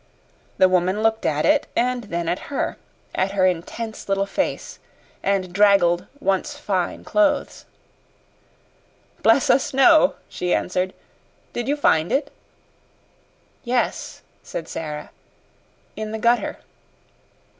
The woman looked at it and then at her at her intense little face and draggled, once fine clothes. "Bless us, no," she answered. "Did you find it?" "Yes," said Sara. "In the gutter."